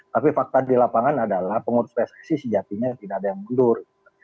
tapi fakta di lapangan adalah pengurus pssi sejatinya tidak ada yang mundur